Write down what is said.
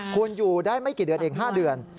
คุณอยู่ได้ไม่กี่เดือนเอง๕เดือน